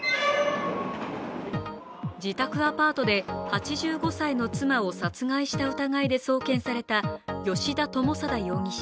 自宅アパートで８５歳の妻を殺害した疑いで送検された吉田友貞容疑者